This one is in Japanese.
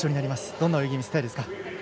どんな泳ぎを見せたいですか？